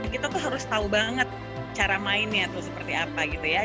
kita tuh harus tahu banget cara mainnya tuh seperti apa gitu ya